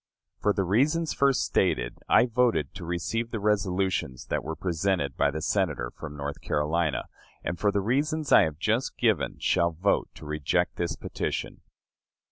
For the reasons first stated, I voted to receive the resolutions that were presented by the Senator from North Carolina, and for the reasons I have just given shall vote to reject this petition.